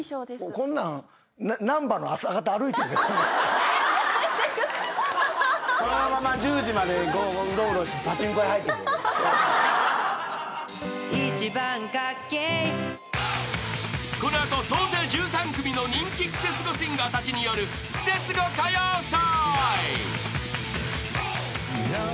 ［この後総勢１３組の人気クセスゴシンガーたちによるクセスゴ歌謡祭］